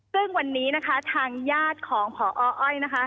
ซึ่งวันนี้ทางญาติของพออ้อย